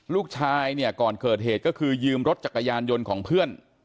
ลูกชายเนี่ยก่อนเกิดเหตุก็คือยืมรถจักรยานยนต์ของเพื่อน